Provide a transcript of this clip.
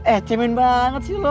eh cemin banget sih lo